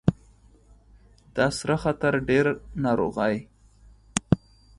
دا سره خطر ډیر ناروغۍ